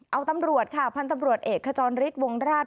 เอาตำรวจค่ะพันธุ์ตำรวจเอกขจรฤทธิวงราช